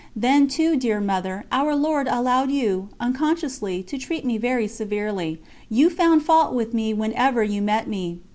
Then, too, dear Mother, Our Lord allowed you, unconsciously, to treat me very severely. You found fault with me whenever you met me.